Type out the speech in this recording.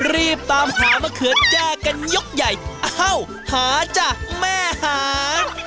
รีบตามหามะเขือแจ้กันยกใหญ่อ้าวหาจ้ะแม่หาง